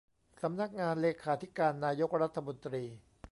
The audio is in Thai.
สำนักงานเลขาธิการนายกรัฐมนตรี